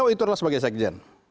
itu adalah sebagai sekjen